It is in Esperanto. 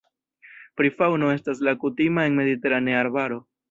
Pri faŭno estas la kutima en mediteranea arbaro.